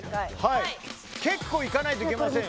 結構いかないといけませんよ。